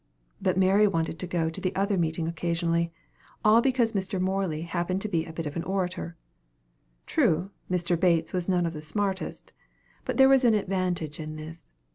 But Mary wanted to go to the other meeting occasionally, all because Mr. Morey happened to be a bit of an orator. True, Mr. Bates was none of the smartest; but there was an advantage in this.